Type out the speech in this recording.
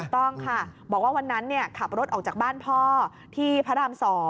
ต้องค่ะบอกว่าวันนั้นขับรถออกจากบ้านพ่อที่พระราม๒